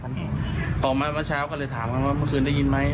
ออกมาเมื่อเช้าก็เลยถามกันว่าเมื่อคืนได้ยินไหม